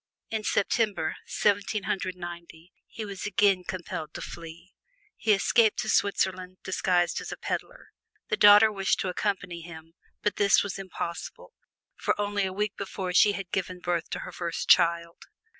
In September, Seventeen Hundred Ninety, he was again compelled to flee. He escaped to Switzerland, disguised as a pedler. The daughter wished to accompany him, but this was impossible, for only a week before she had given birth to her first child.